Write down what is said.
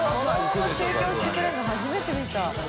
このまま提供してくれるの初めて見た。